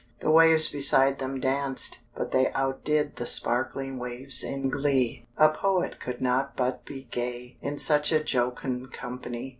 The waves beside them danced, but they Out did the sparkling waves in glee: A Poet could not but be gay In such a jocund company!